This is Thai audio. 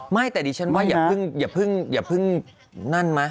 ไม่แต่ดิฉันว่าอย่าเพิ่งนั่นมั้